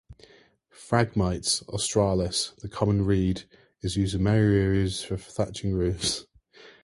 "Phragmites australis", the common reed, is used in many areas for thatching roofs.